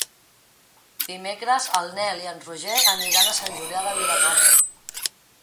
Dimecres en Nel i en Roger aniran a Sant Julià de Vilatorta.